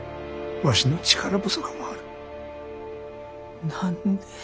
ワシの力不足もある。